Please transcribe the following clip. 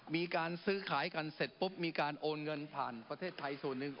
มีการซื้อขายกันเสร็จปุ๊บมีการโอนเงินผ่านประเทศไทยส่วนหนึ่ง